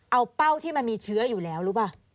เอาเป้าที่มันมีเชื้ออยู่แล้วรู้ป่ะ